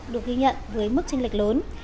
được ghi nhận với mức tranh lệch lớn